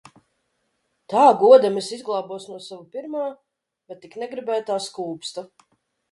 Tā godam es izglābos no sava pirmā, bet tik negribētā skūpsta.